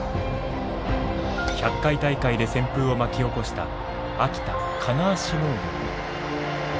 １００回大会で旋風を巻き起こした秋田・金足農業も。